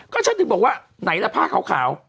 ก็ฉันถึงบอกว่าไหนล่ะผ้าขาว